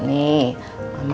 ini buat mama